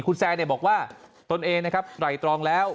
คุณแซนบอกว่าตนเองนะครับไหล่ตรองแล้ว